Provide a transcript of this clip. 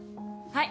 はい。